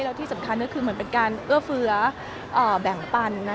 และที่สำคัญก็คือเรื่องทำบุญ